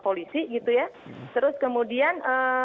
polisi gitu ya terus kemudian